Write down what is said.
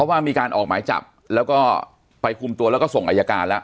ว่ามีการออกหมายจับแล้วก็ไปคุมตัวแล้วก็ส่งอายการแล้ว